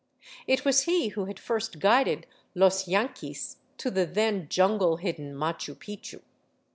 It was he who had first guided los yanqiiis to the then jungle hidden Machu Picchu.